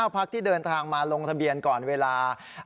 พักที่เดินทางมาลงทะเบียนก่อนเวลา